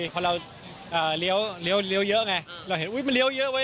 พอเราเลี้ยวเยอะไงเราเห็นมันเลี้ยเยอะเว้